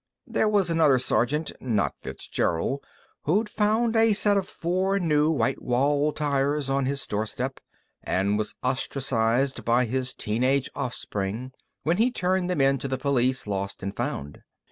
There was another sergeant not Fitzgerald who'd found a set of four new white walls tires on his doorstep, and was ostracized by his teen age offspring when he turned them into the police Lost and Found.